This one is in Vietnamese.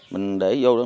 mình để vô đó